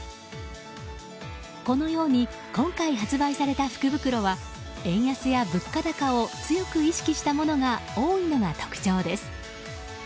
このように今回発売された福袋は円安や物価高を強く意識したものが多いのが特徴です。